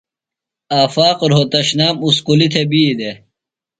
آفاق رھوتشنام اُسکُلیۡ تھےۡ بی دےۡ۔